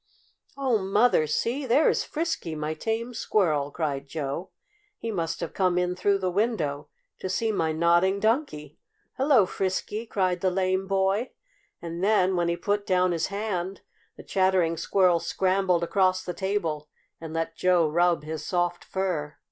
"Oh, Mother! See! There is Frisky, my tame Squirrel!" cried Joe. "He must have come in through the window to see my Nodding Donkey. Hello, Frisky!" cried the lame boy, and then when he put down his hand the Chattering Squirrel scrambled across the table and let Joe rub his soft fur.